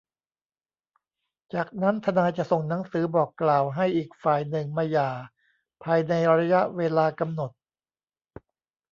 จากนั้นทนายจะส่งหนังสือบอกกล่าวให้อีกฝ่ายหนึ่งมาหย่าภายในระยะเวลากำหนด